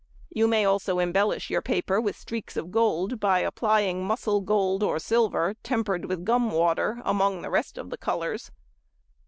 You may also embellish your paper with streaks of gold, by applying mussel gold or silver, tempered with gum water, among the rest of the colours."